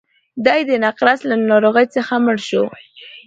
دی د نقرس له ناروغۍ څخه مړ شو.